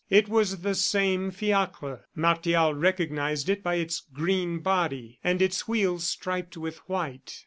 It was the same fiacre; Martial recognized it by its green body, and its wheels striped with white.